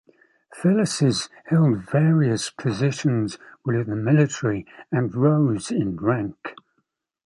Felices held various positions within the military and rose in rank.